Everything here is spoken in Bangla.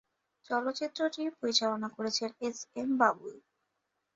চলচ্চিত্রটি পরিচালনা করেছেন এস এম বাবুল।